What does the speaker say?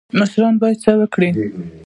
مشران باید څه وکړي؟